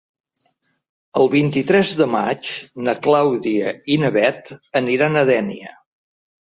El vint-i-tres de maig na Clàudia i na Bet aniran a Dénia.